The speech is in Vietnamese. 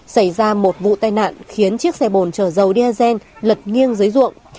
xảy ra một vụ tai nạn khiến chiếc xe bồn trở dầu diagen lật nghiêng dưới ruộng